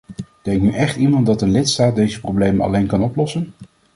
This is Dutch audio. Denkt nu echt iemand dat een lidstaat deze problemen alleen kan oplossen?